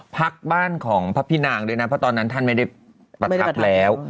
พักบ้านของพระพี่นางด้วยนะเพราะตอนนั้นท่านไม่ได้ประทับแล้ว